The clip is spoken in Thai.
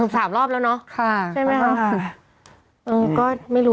สามรอบแล้วเนอะใช่ไหมคะค่ะค่ะค่ะ